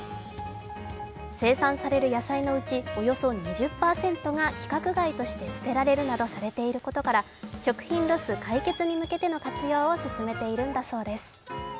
生産される野菜のうち、およそ２０％が規格外として捨てられるなどされていることから食品ロス解決に向けての活用を進めているのだそうです。